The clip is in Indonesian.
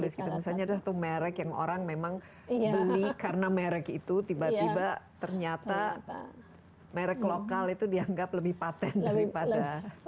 misalnya ada satu merek yang orang memang beli karena merek itu tiba tiba ternyata merek lokal itu dianggap lebih patent daripada